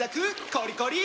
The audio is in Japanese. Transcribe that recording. コリコリ！